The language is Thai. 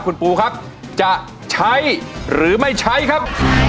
คุณปูครับจะใช้หรือไม่ใช้ครับ